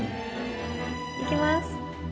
いきます。